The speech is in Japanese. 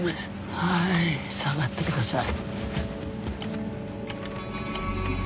はい下がってください。